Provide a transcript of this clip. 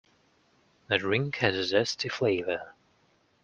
The drink has a zesty flavour.